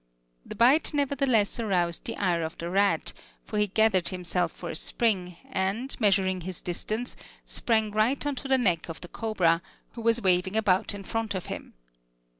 The bite nevertheless aroused the ire of the rat, for he gathered himself for a spring, and measuring his distance, sprang right on to the neck of the cobra, who was waving about in front of him.